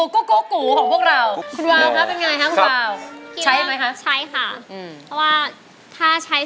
กูรุกูกูกูของพวกเรา